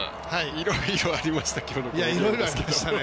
いろいろありましたね。